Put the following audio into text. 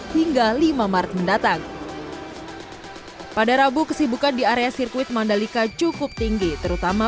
hingga lima maret mendatang pada rabu kesibukan di area sirkuit mandalika cukup tinggi terutama